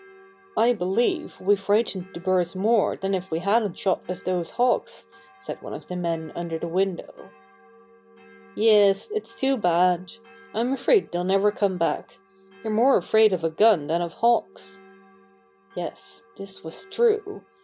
"I believe we frightened the birds more than if we hadn't shot at those hawks," said one of the men under the window. "Yes, it's too bad! I'm afraid they'll never come back. They're more afraid of a gun than of Hawks." Yes, this was true!